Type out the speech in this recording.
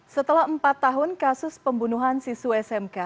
setelah empat tahun kasus pembunuhan siswa smk